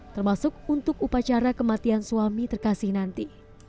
termasuk untuk upacara kematian suami terkasih nanti